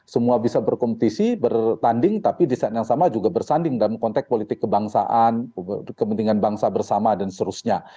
semua bisa berkompetisi bertanding tapi di saat yang sama juga bersanding dalam konteks politik kebangsaan kepentingan bangsa bersama dan seterusnya